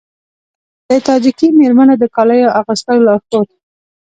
د تاجیکي میرمنو د کالیو اغوستلو لارښود